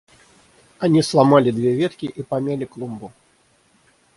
– Они сломали две ветки и помяли клумбу.